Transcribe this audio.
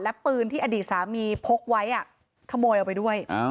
และปืนที่อดีตสามีพกไว้ขโมยเอาไปด้วย